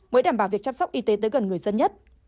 mới đảm bảo việc chăm sóc y tế tới gần người dân nhất